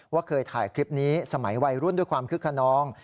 เคยถ่ายคลิปนี้สมัยวัยรุ่นด้วยความคึกขนอง